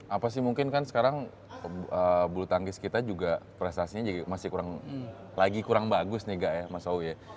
apa sih mungkin kan sekarang bulu tangkis kita juga prestasinya lagi kurang bagus nih nggak ya mas owi ya